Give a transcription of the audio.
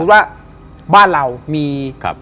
สมมติว่าบ้านเรามี